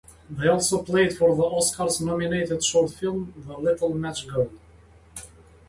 They also played for the Oscar nominated short film, The Little Match Girl.